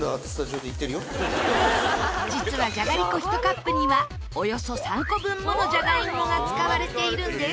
実はじゃがりこ１カップにはおよそ３個分ものじゃがいもが使われているんです。